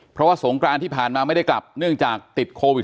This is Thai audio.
เพราะว่าสงกรานที่ผ่านมาไม่ได้กลับเนื่องจากติดโควิด๑